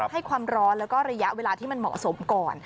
ให้ความร้อนแล้วก็ระยะเวลาที่มันเหมาะสมก่อน